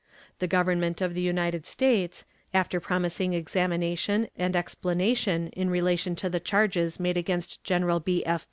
The Government of the United States, after promising examination and explanation in relation to the charges made against General B. F.